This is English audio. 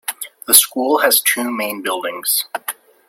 The School has two main buildings.